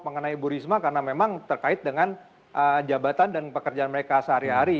mengenai ibu risma karena memang terkait dengan jabatan dan pekerjaan mereka sehari hari